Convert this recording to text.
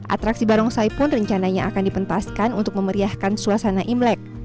atraksi barongsai pun rencananya akan dipentaskan untuk memeriahkan suasana imlek